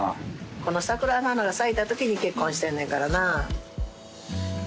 この桜の花が咲いたときに結婚してんねんからな。